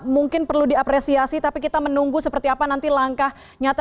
mungkin perlu diapresiasi tapi kita menunggu seperti apa nanti langkah nyata